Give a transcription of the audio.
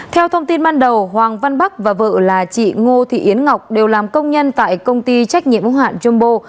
theo thông tin ban đầu hoàng văn bắc và vợ là chị ngô thị yến ngọc đều làm công nhân tại công ty trách nhiệm hỏa hạn jumbo